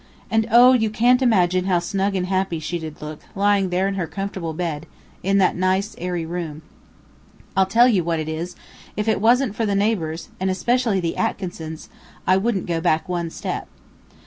And oh! you can't imagine how snug and happy she did look, lying there in her comfortable bed, in that nice, airy room. I'll tell you what it is, if it wasn't for the neighbors, and especially the Atkinsons, I wouldn't go back one step."